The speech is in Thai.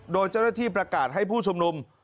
โดยเจ้าหน้าที่ประกาศให้ผู้ชุมนุม